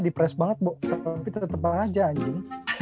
di press banget tapi tetep aja anjing